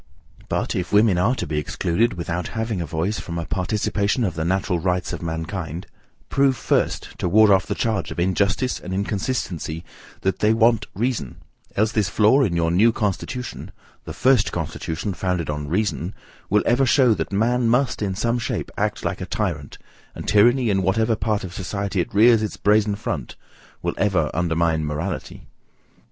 But, if women are to be excluded, without having a voice, from a participation of the natural rights of mankind, prove first, to ward off the charge of injustice and inconsistency, that they want reason, else this flaw in your NEW CONSTITUTION, the first constitution founded on reason, will ever show that man must, in some shape, act like a tyrant, and tyranny, in whatever part of society it rears its brazen front, will ever undermine morality.